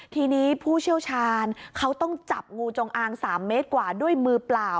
ทีนี้ผู้เชี่ยวชาญเขาต้องจับงูจงอาง๓เมตรกว่าด้วยมือเปล่า